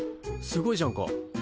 すごいじゃんか。